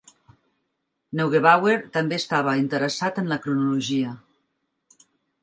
Neugebauer també estava interessat en la cronologia.